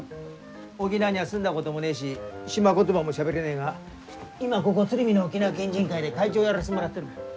沖縄には住んだこともねえし島言葉もしゃべれねえが今はここ鶴見の沖縄県人会で会長をやらせてもらってる。